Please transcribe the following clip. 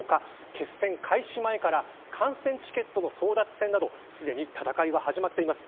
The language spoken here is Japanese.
決戦開始前から観戦チケットの争奪戦などすでに戦いは始まっています。